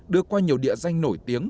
đưa qua nhiều địa danh nổi tiếng